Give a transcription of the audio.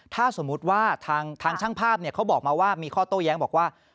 ถ้าสมมุติว่าทางช่างภาพเขาบอกมาว่ามีข้อโต้แย้งบอกว่า